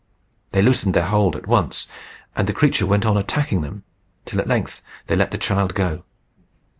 They loosened their hold at once, and the creature went on attacking them, till at length they let the child go.